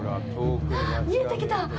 あっ、見えてきた！